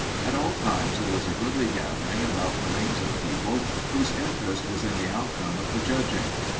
At all times there was a goodly gathering about the rings of people whose interest was in the outcome of the judging.